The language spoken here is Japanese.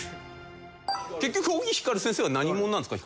結局沖ヒカル先生は何者なんですか？